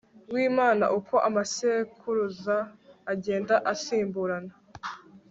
w'imana uko amasekuruza agenda asimburana